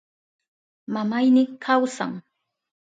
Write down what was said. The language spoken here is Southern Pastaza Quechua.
Mamayni kawsan.